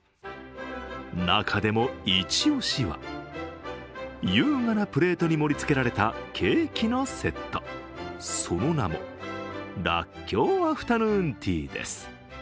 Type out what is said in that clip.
中でもイチオシは優雅なプレートに盛りつけられたケーキのセット、その名も、らっきょうアフタヌーンティーです。